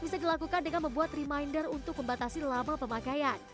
bisa dilakukan dengan membuat reminder untuk membatasi lama pemakaian